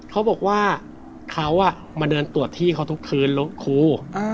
เขาบอกว่าเขามาเดินตรวจที่เขาทุกคืนรถครู